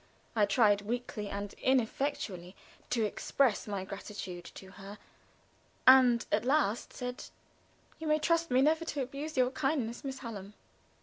I tried, weakly and ineffectually, to express my gratitude to her, and at last said: "You may trust me never to abuse your kindness, Miss Hallam."